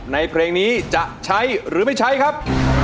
เพลงนี้จะใช้หรือไม่ใช้ครับ